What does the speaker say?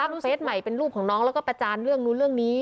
เฟสใหม่เป็นรูปของน้องแล้วก็ประจานเรื่องนู้นเรื่องนี้